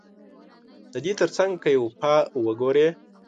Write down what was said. ددې ترڅنګ که يې وفا وګورې